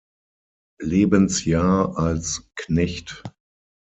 Lebensjahr als Knecht.